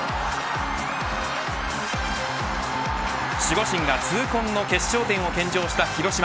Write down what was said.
守護神が痛恨の決勝点を献上した広島。